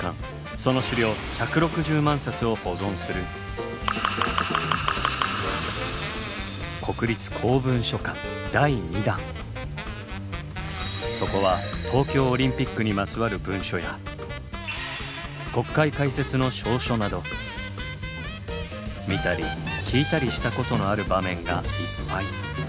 その資料１６０万冊を保存するそこは東京オリンピックにまつわる文書や国会開設の詔書など見たり聞いたりしたことのある場面がいっぱい。